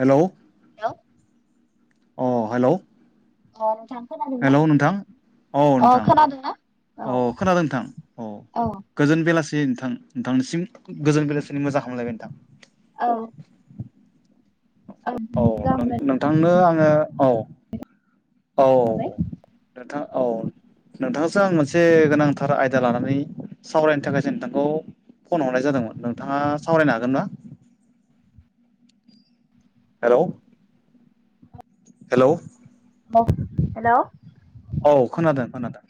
Hello hello अ hello. [unintelligible] Hello नोंथां औ अ नोंथां खोनादोंना? औ खोनादों नोंथां औ। गोजोन बेलासि नोंथां नोंथांनिसिम गोजोन बेलासिनि मोजां खालामलायबाय नोंथां। औ। औ नोंथांनो आङो औ औ। हेल' नोंथां औ। नोंथांसो आं मोनसे गोनांथार आयदा लानानै सावरायनो थाखायसो नोंथांखौ। फन हरनाय जादोंमोन नोंथाङा सावरायनो हागोन ना। हेल' हेल' औ हेल'। औ खोनादों खोनादों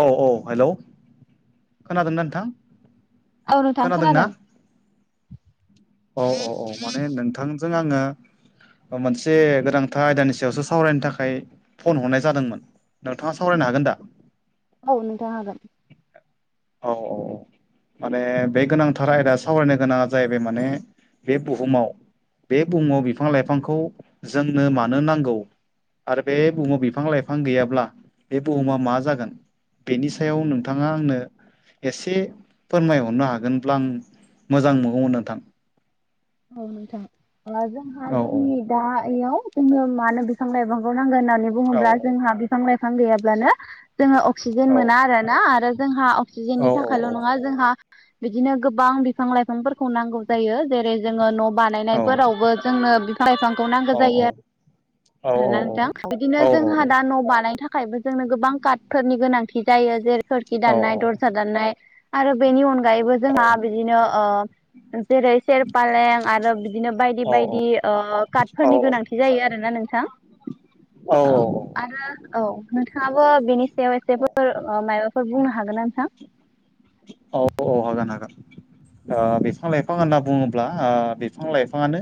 औ औ हेलौ खोनादों ना नोंथां। औ नोंथां खोनादोंना खोनादों। औ औ औ माने नोंथांजों आङो। मोनसे गोनांथार आयदानि सायावसो सावरायनो थाखाय फन हरनाय जादोंमोन। नोंथाङा सावरायनो हागोन दा औ नोंथाङा हागोन। औ औ। माने बे गोनांथार आयदा सावरायनो गोनाङा जाहैबाय माने बे बुहुमाव बे फुङाव बिफां लाइफांखौ जोंनो मानो नांगौ। आरो बे बुहुमाव बिफां लाइफां गैयाब्ला बे बुहुमा मा जागोन बेनि सायाव नोंथां। आ आंनो। एसे फोरमायहरनो हागोनब्ला आं मोजां मोनगौमोन नोंथां। औ नोंथां जोंहा औ जोंनि दा इयाव जोनो मानो बिफां लाइफांखौ नांगोन होननानै औ बुङोब्ला जोंहा बिफां लाइफां गैयाब्लानो जोङो अक्सिजेन मोना औ आरोना आरो जोंहा औ अक्सिजेननि थाखायल' नङा जोंहा बिदिनो गोबां बिफां लाइफांफोरखौ नांगौ जायो। जेरै जोङो न' औ बानायनायफोरावबो जोंनो बिफां लाइफांखौ नांगौ औ जायो औ आरो आरो ना नोंथां बिदिनो औ औ औ जोंहा औ दा न' बानायनो था खायबो जोंनो गोबां कार्टफोरनि गोनांथि जायो जेरै खखि औ दान्नाय दरजा दाननाय आरो बेनि अनगायैबो औ जोंहा बिदिनो जेरै सेरपालें आरो बिदिनो औ बायदि बायदि ओ कार्टफोरनि गोनांथि जायो आरो ना नों थां औ आरो औ नोंथाङाबो बिनि सायाव एसेफोर माबाफोर बुंनो हागोन नोंथां औ औ हागोन हागोन ओ बिफां लाइफां होनना बुङोब्ला बिफां लाइ फाङानो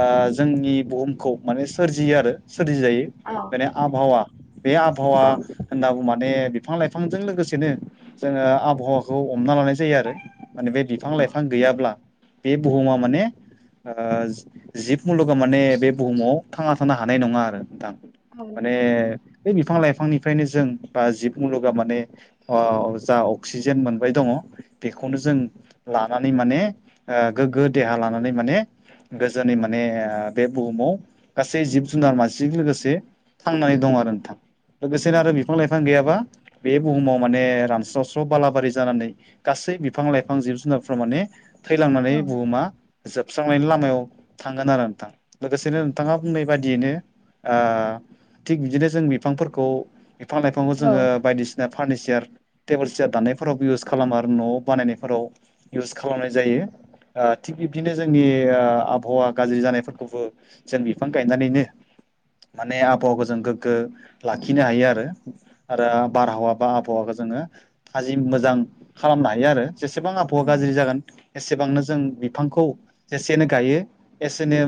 ओ जोंनि बुहुमखौ माने सोरजियो आरो सोरजिजायो औ बे आबहावा बे आबहावा होननागौ माने बिफां लाइफांजों लोगोसेनो जोङो आबहावाखौ हमना लानाय जायो आरो माने बे बिफां लाइफां गैयाब्ला बे बुहुमा माने ओ जिब मुलुगा माने बे बुहुमाव थांना थानो हानाय नङा आरो नोंथां माने बे बिफां लाइफांनिफ्रायनो जों बा जि मुलुगा माने अ जा अक्सिजेन मोनबाय दङ बेखौनो जों लानानै माने गोग्गो देहा लानानै माने गोजोननि माने बे बुहुमाव गासै जिब जुनार मानसिजों लोगोसे थांनानै दं आरो नोंथां लोगोसेनो आरो बिफां लाइफां गैयाबा बे बुहुमाव माने रान स्र' स्र' बालाबारि जानानै गासै बिफां लाइफां जिब जुनारफोर माने थैलांनानै बुहुमा जोब स्रांनायनि लामायाव थांगोन आरो नोंथां लोगोसेनो नोंथाङा बुंनाय बाददियैनो आ थिग बिदिनो जों बिफांफोरखौ बिफां लाइफांखौ औ जोङो बायदिसिना फारनिचार टेबोल सियार दाननायफोरावबो इउस खालामो आरो न'आव बानायनायफोराव इउस खालामनाय जायो ओ थिग बिब्दिनो जोंनि आबहावा गाज्रि जानायफोरखौबो जों बिफां गायनानैनो माने आबहावाखौ जों गोग्गो लाखिनो हायो आरो आरो बारहावा बा आबहावाखौ जोङो थाजिम मोजां खालामनो हायो आरो जेसेबां आबहावा औ गाज्रि जागोन एसेबांनो जों बिफांखौ जेसेनो गायो एसेनो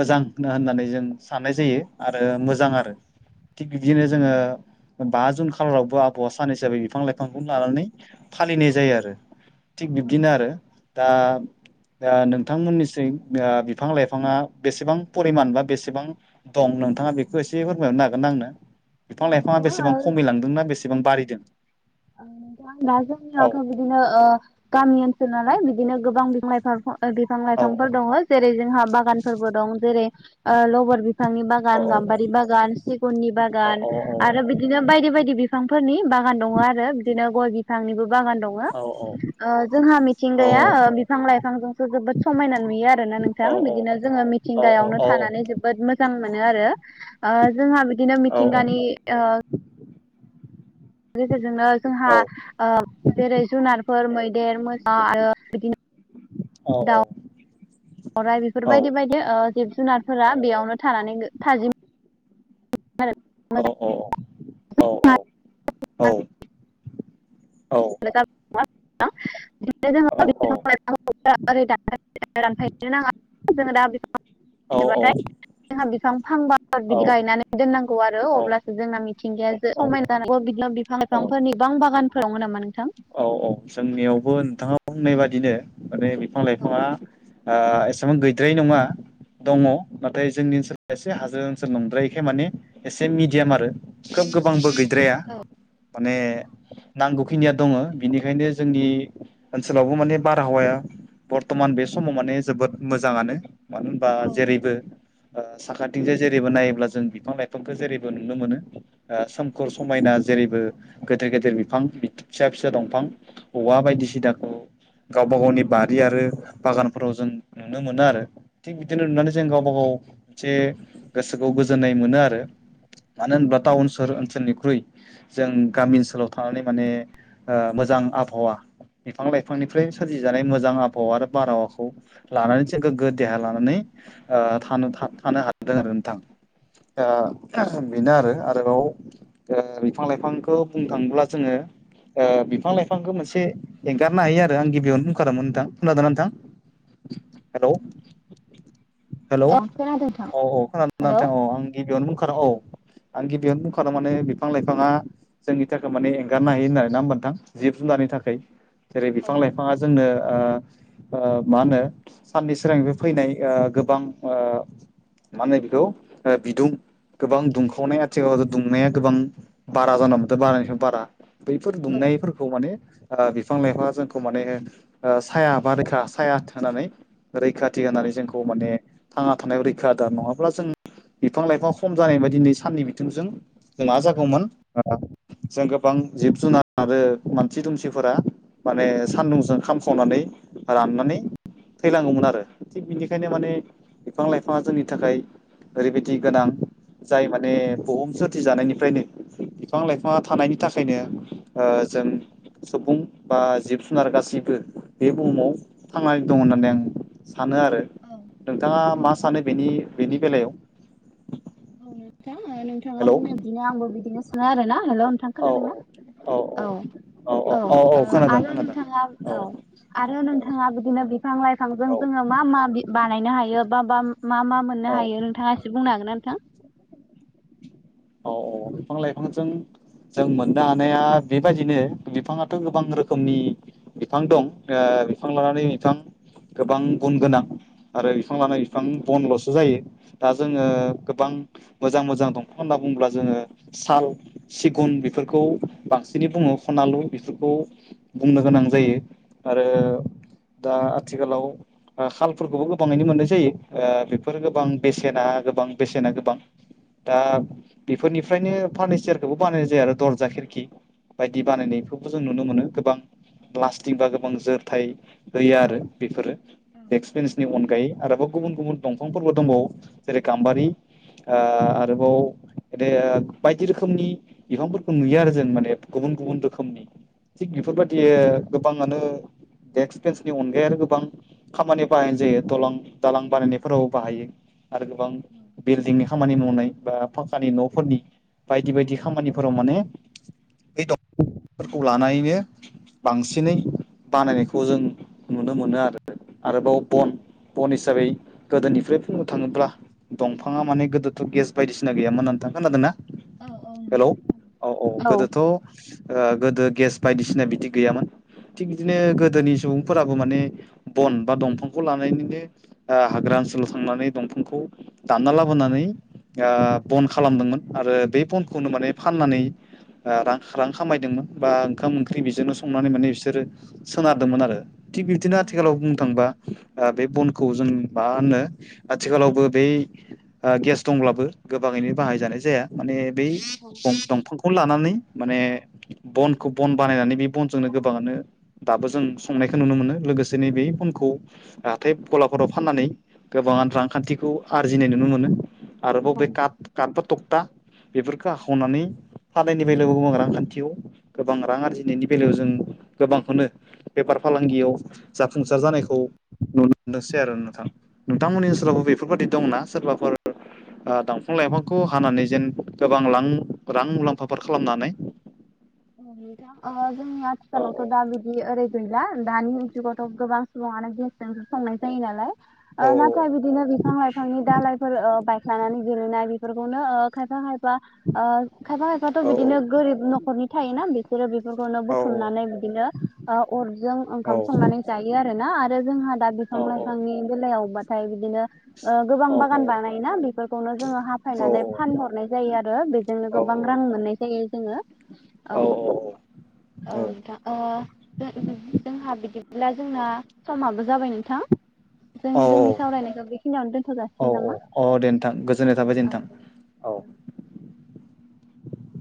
मोजां होननानै जों साननाय जायो आरो मोजां आरो थिग बिदिनो जोङो बा जुन खालारावबो आबहावा सान हिसाबै बिफां लाइफांखौ लानानै फालिनाय जायो आरो थिग बिदिनो औ आरो दा नोंथांमोननिस बिफां लाइफाङा बेसेबां परिमान बा बेसेबां दं नोंथाङा बेखौ एसे फोरमायरनो हागोन ना आंनो बिफां लाइफाङा बेसेबां नोंथां खमिलांदोंना बेसे बां बारिदों नोंथां दा औ जोंनियावथ' बिदिनो ओ गामि ओनसोल नालाय बिदिनो गोबां बिफां लाइफां बिफां औ लाइफांफोर दङ जेरै जोंहा बागानफोरबो दं जेरै लबर बिफांनि बा औ गान गाम्बारि बागान सिगुननि औ बागान आरो बिदिनो बायदि बायदि बि बिफांफोरनि बागान दङ आरो बिदिनो गय बिफांनिबो बागान दं औ औ जोंहा औ मिथिंगाया बिफां लाइफांजोंसो जोबोद समायना नुयो आरोना नोंथां औ बिदिनो जोङो मि औ थिंगायावनो औ थानानै जो बोद मोजां मोनो आरो ओ जोंहा बिदिनो मिथिंगानि ओ गेजेरजोंनो जोंहा जेरै जुनारफोर मैदेर मोजां आरो बिदिनो औ औ अराय बेफोर बायदि बायदि जिब जुनारफोरा बेयावनो थानानै थाजिम। औ औ। [unintelligible] [unintelligible] [unintelligible] औ औ औ औ जोंहा बिफां फांबा बिदि गायनानै दोननांगौ आरो अब्लासो जोंना मिथिंगाया जे औ समायना जानांगौ बिदि बिफां बिफांफोरनि बबां बागानफोराव मोनोमोन। औ औ जोंनियावबो नोंथाङा बुंनाय बादिनो माने बिफां लाइफाङा एसेबां गैद्राय नङा। दङ नाथाय जोंनि ओनसोलाव एसे हाजो ओनसोल नंद्रायखाय माने एसे मिडियाम आरो। खोब गोबांबो गैद्राया माने नांगौखिनिया दङ बिनिखायनो जोंनि ओनसोलावबो माने बारहावाया बरथमान बे समाव माने जोबोद मोजाङानो। मानो होनबा जेरैबो साखाथिंजोंाय जेरैबो नायोब्ला जों बिफां लाइफांखौ जेरैबो नुनो मोनो सोमखोर समायना जेरैबो गेदेर गेदेर बिफां फिसा फिसा दंफां औवा बायदिसिनाखौ गावबा गावनि बारि आरो बागानफोराव जों नुनो मोनो आरो। थिग बिदिनो नुनानै जों गावबा गाव मोनसे गोसोखौ गोजोननाय मोनो आरो। मानो होनोबब्ला टाउन सह ओनसोलनिख्रुइ जों गामि ओनसोलाव थानानै माने मोजां आबहावा बिफां लाइफांनिफ्रायनो सोरजिजानाय मोजां आबहाव आरो बारहावाखौ लानानै जों गोग्गो देहा लानानै थानो थानो हादों आरो नोंथां। द बेनो आरो आरोबाव दा बिफां लाइफांखौ बुंनो थाङोब्ला जोङो। बिफां लाइफांखौ मोनसे एंगारनो हायो आरो आं गिबियावनो बुंखारोमोन नोंथां खलाादों नोंथां। हेल' हेलौ अ खोनादों नोंथां औ औ हेलौ खोनानोाथों औ आं गिबियावनो बुंखार औ। आं गिबियावनो बुंखादों माने बिफां लाइफाङा जोंनि थाखाय माने एंगारनो हायो होननानै ना मोनथां जिब जुनारनि थाखाय जेरै औ बिफां लाइफाङा जोंनो मा होनो साननि सिगांनि बे फैनाय गोबां माो बेखौ बिदुं गोबां दुंखावनाय आथिखालावथ' दुंनाया गोबां बारा जान मोनदों बारानिफ्राय बारा बैफोर औ दुंनायफोरखौ माने बिफां लाइफाङा जोंखौ माने साया बा रोखा साया होननानै रैखाथि होननानै जोंखौ माने थांना थानायाव रैखादार नङाब्ला जों। बिफां लाइफांा खम जानाय बायदि नै साननि बिथिंजों जोंनाा जागौमोन जों गोबां जिब जुनार आरो मानसि दुमसिफोरा माने सानदुंजों खामसंनानै राननानै थैलांगौमोन आरो थिग बिनिखायनो माने बिफां लाइफाङा जोंनि थाखाय ओरैबायदि गोनां जाय माने बुहुम सोरथि जानायनिफ्रायनो बिफां लाइफाङा थानायनि थाखायनो जों सुबुं बा जिब जुनार गासैबो बे बुहुमाव थांनानै दं होननानै आं सानो आरो। औ। नोंथाङा औ मा औ सानो बेनि बेनि बेलायाव औ नोंथां नोंथाङा हेलौ बुंनो बिदिनो आंबो बिदिनो सा आरो ना हेल' नोंथां औ खोनादों ना औ औ आरो नोंथाङा औ। आरो नोंथाङा बिदिनो बिफां लाइफांजों औ जोङो मा मा बानायनो हायो बा मा मा मोन नो औ हायो नोंथाङा एसे बुंनो हागोन ना नोंथां औ औ बिफां लाइफांजों जों मोननो हानाया बेबायदिनो बिफाङाथ' गोबां रोखोमनि बिफां दं बिफां लानानै बिफां गोबां गुन गोनां आरो बिफां लाना बिफां बनल'सो जायो दा जोङो गोबां मोजां मोजां दंफां होनना बुङोब्ला जोङो साल सिगुन बेफोरखौ बांसिनै बुङो खनालु बेफोरखौ बुंनो गोनां जायो आरो दा आथिखालाव ओ खालफोरखौबो गोबाङैनो मोननाय जायो बेफोर गोबां बेसेना गोबां बेसेना गोबां दा बेफोरनिफ्रायनो फारनिचारखौबो बानायनाय जाया आरो दरजा खिरखि बायदि बानायनायखौबो जों नुनो मोनो गोबां प्लास्टिक बा गोबां जोरथाय होयो आरो बेफोरो डेक्स बेन्सनि अनगायै आरोबाव गुबुन गुबुन दंफांफोरबो दंबावो जेरै गाम्बारि आरोबाव बायदि रोखोमनि बिफांफोरखौ नुयो आरो जों माने गुबुन गुबुन रोखोमनि थिग बेफोरबायदि गोबाङानो देक्स्क बेन्सनि अनगायै आरो गोबां खामानि बाहायनाय जायो दालं दालां बानायनायफोरावबो बाहायो आरो गोबां उम बिल्दिंनि खामानि मावनाय बा फाक्कानि न'फोरनि बायदि बायदि खामानिफोराव माने बे दं फोरखौ लानानैनो बांसिनै बानायनायखौ जों नुनो मोनो आरो। आरोबाव बन बन हिसाबै गोदोनिफ्राय बुंनो थाङोब्ला दंफाङा माने गोदोथ' गेस बायदिसिना गैयामोन होननानै नोंथां खोनादों ना? हेलौ औ औ गोदोथ' गोदो गेस बायदिसिना बिदि गैयामोन थिग बिदिनो गोदोनि सुबुंफोराबो माने बन बा दंफांखौ लानानैनो हाग्रा ओनसोलाव थांनानै दंफांखौ दानना लाबोनानै बन खालामदोंमोन आरो बे बनखौनो माने फाननानै रां रां खामायदोंमोन बा ओंखाम ओंख्रि बेजोंनो संनानै माने बिसोरो सोनारदोंमोन आरो थिग बिदिनो आथिखालाव बुंनो थांबा बे बनखौ जों मा होनो आथिखालावबो बै गेस दंब्लाबो गोबाङैनो बाहायजानाय जाया माने बै औ दंफांखौ लानानै माने बनखौ बन बानायनानै बे बनजोंनो गोबाङानो दाबो जों संनायखौ नुनो मोनो लोगोसे नैबे बनखौ हाथाय गलाफोराव फाननानै गोबाङानो रांखान्थिखौ आरजिनाय नुनो मोनो आरोबाव बे औ कात कात बा थबता बेफोरखौ हाखावनानै फाननायनि बेलायावबो गोबां रांखान्थियाव गोबां रां आरजिनायनि बेलायाव जों गोबांखौनो बेफार फालांगियाव जाफुंसार जानायखौ नुनो मोनोसै आरो नोंथां। नोंथांमोननि ओनसोलावबो बेफोरबादि दंना सोरबाफोर दं बिफां लाइफांखौ हानानै जेन गोबां रां मुलाम्फाफोर खालामनानै नोंथां जोंनि औ आथिखालावथ' दा बिदि ओरैबादि दानि जुगावथ' गोबां सुबुङानो गेसजोंसो संनाय जायो औ नालाय नाथाय बिदिनो बिफां लाइफांनि दालाइफोर बाय नानै गोलैनाय बेफोरखौनो खायफा खायफा खायफा खायफाथ' औ बिदिनो गोरिब न'खरनि थायोना बिसोरो बेफोरखौनो औ बुथुमनानै बिदिनो अरजों औ ओंखाम संनानै जायो आरोना आरो जोंहा दा बिफां औ लाइफांनि बेलायावबाथाय बिदिनो गोबां औ बागान बानायोना बेफोरखौनो जोङो हाफायनानै फानहरनाय जायो आरो बेजोंनो गोबां रां मोननाय जायो जोङो औ औ नोंथां जोंहा बिदिब्ला जोंना समाबो जाबाय नोंथां। जों औ जोंनि सावरायनायखौ बेखिनियावनो दोनथ' औ जाासिगोन नामा अ दे नोंथां गोजोननाय थाबाय दे औ नोंथां औ